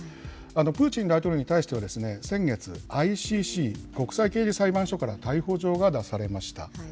プーチン大統領に対しては、先月、ＩＣＣ・国際刑事裁判所から逮捕状が出されました。